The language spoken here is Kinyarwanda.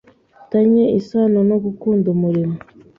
tanye isano no “gukunda umurimo